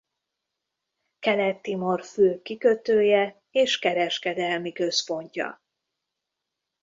Kelet-Timor fő kikötője és kereskedelmi központja.